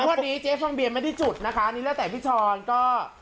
วันนี้เจ๊ฟองเบียนไม่ได้จุดนะคะอันนี้แล้วแต่พี่ช้อนก็